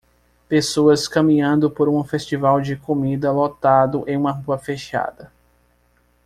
Pessoas caminhando por um festival de comida lotado em uma rua fechada